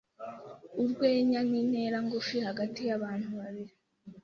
Urwenya nintera ngufi hagati yabantu babiri.